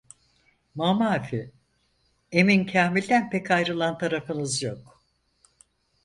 Mamafih Emin Kâmil’den pek ayrılan tarafınız yok!